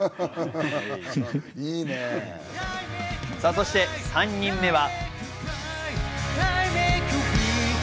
そして３人目は。